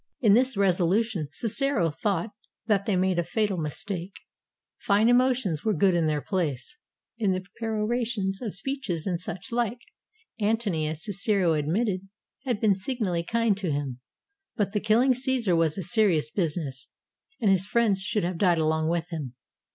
In this resolution Cicero thought that they made a fatal mistake; fine emotions were good in their place, in the perorations of speeches and such like; Antony, as Cicero admitted, had been signally kind to him ; but the kill ing Caesar was a serious business, and his friends should have died along with him.